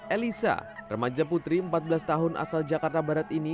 elisa remaja putri empat belas tahun asal jakarta barat ini